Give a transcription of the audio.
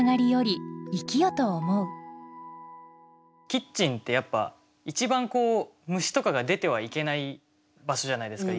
キッチンってやっぱ一番虫とかが出てはいけない場所じゃないですか。